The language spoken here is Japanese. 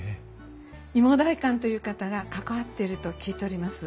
いも代官という方が関わっていると聞いております。